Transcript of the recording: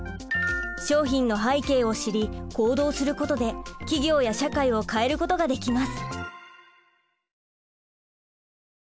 商品の背景を知り行動することで企業や社会を変えることができます。